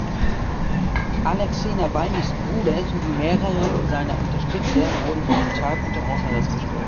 Alexei Nawalnys Bruder sowie mehrere seiner Unterstützer wurden für den Tag unter Hausarrest gestellt.